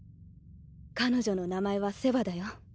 彼女の名前はセヴァだよ。